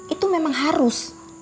itu memang harus